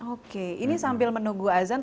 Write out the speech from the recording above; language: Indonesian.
oke ini sambil menunggu azan